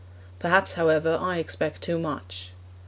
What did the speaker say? Perhaps, however, I expect too much.